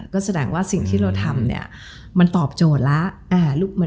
ก็แสดงว่าสิ่งที่เราทำเนี่ยมันตอบโจทย์แล้ว